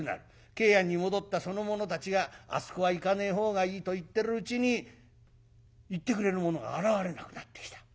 桂庵に戻ったその者たちがあそこは行かねえほうがいいと言ってるうちに行ってくれる者が現れなくなってきた。